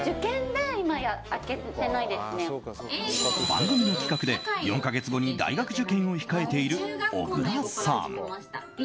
番組の企画で４か月後に大学受験を控えている小倉さん。